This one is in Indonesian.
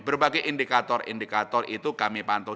berbagai indikator indikator itu kami pantau